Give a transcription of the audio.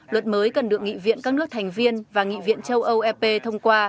luật mới cần được nghị viện các nước thành viên và nghị viện châu âu ep thông qua